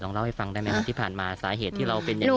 เล่าให้ฟังได้ไหมครับที่ผ่านมาสาเหตุที่เราเป็นอย่างนี้